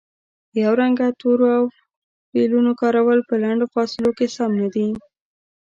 د یو رنګه تورو او فعلونو کارول په لنډو فاصلو کې سم نه دي